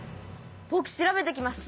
ぼく調べてきます。